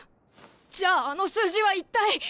じゃああの数字は一体。